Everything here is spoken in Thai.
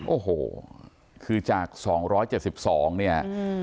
โอ้โหคือจาก๒๗๒ราย